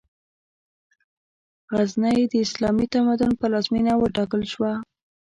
غزنی، د اسلامي تمدن پلازمېنه وټاکل شوه.